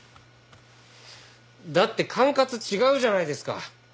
だって管轄違うじゃないですか！